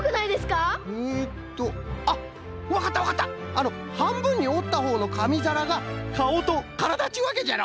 あのはんぶんにおったほうのかみざらがかおとからだっちゅうわけじゃろ？